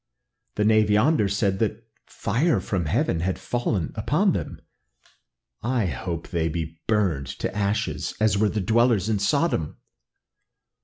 The knave yonder said that fire from heaven had fallen upon them; I hope that they be burned to ashes, as were the dwellers in Sodom."